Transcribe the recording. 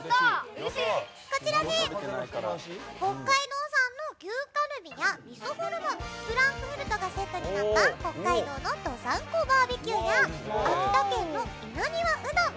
こちら、北海道産の牛カルビやみそホルモンフランクフルトがセットになった北海道のどさんこバーベキューや秋田県の稲庭うどん